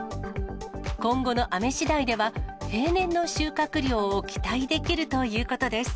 今後の雨しだいでは、平年の収穫量を期待できるということです。